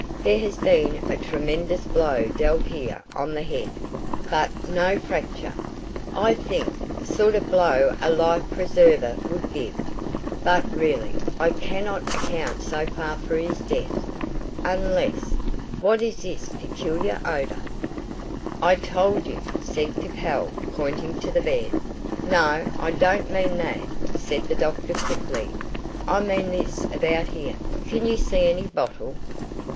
There has been a tremendous blow dealt here on the head but no fracture, I think sort of blow a life preserver would give; but, really, I cannot account so far for his death. Unless What is this peculiar odour?" "I told you," said Capel, pointing to the bed. "No, I don't mean that," said the doctor quickly. "I mean this about here. Can you see any bottle?"